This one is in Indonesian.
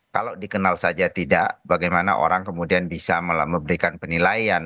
kalau dikenal saja tidak bagaimana orang kemudian bisa memberikan penilaian